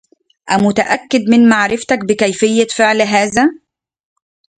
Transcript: أمتأكد من معرفتك بكيفية فعل هذا؟